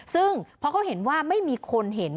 ซึ่งพอเขาเห็นว่าไม่มีคนเห็น